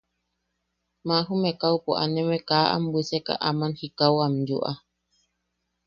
¡Maa jume kaupo aneme kaa am bwiseka aman jikau am yuuʼa!